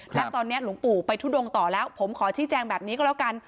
และตอนนี้หลวงปู่ไปทุดงต่อแล้วผมขอชี้แจงแบบนี้ก็แล้วกัน